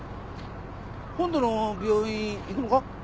本土の病院行くのか？